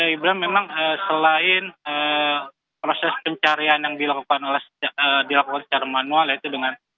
ibra memang selain proses pencarian yang dilakukan oleh dilakukan secara manual yaitu dengan